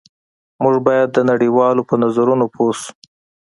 موږ باید د نړۍ والو په نظرونو پوه شو